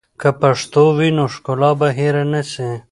که پښتو وي، نو ښکلا به هېر نه سي.